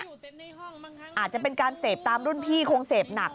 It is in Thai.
อาจจะเป็นการเสพตามรุ่นพี่คงเสพหนัก